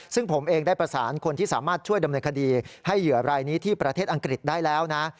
ซึ่งผมเองได้ประสานคนที่สามารถช่วยดำเนินคดีให้เหยื่อรายนี้ที่ประเทศอังกฤษได้แล้วนะ